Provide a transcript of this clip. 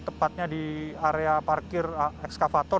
tepatnya di area parkir ekskavator